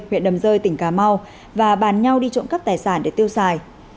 huyện đầm rơi tỉnh cà mau và bàn nhau đi trộm cắp tài sản để tiêu xài